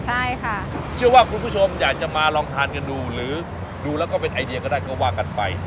ใช่ค่ะเชื่อว่าคุณผู้ชมอยากจะมาลองทานกันดูหรือดูแล้วก็เป็นไอเดียก็ได้ก็ว่ากันไป